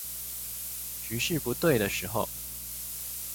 局勢不對的時候